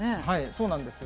そうなんです。